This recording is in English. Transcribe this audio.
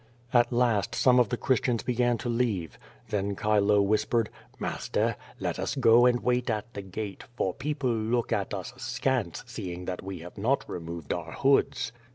At last some of the Christians began to leave. Then Chilo whispered, "Master, let us go and wait at the gate, for people look at us askance seeing that we have not removed our hoods."